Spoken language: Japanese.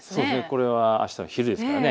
これはあすの昼ですからね。